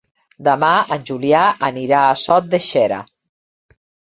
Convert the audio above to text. Demà en Julià anirà a Sot de Xera.